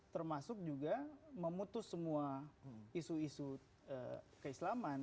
termasuk juga memutus semua isu isu keislaman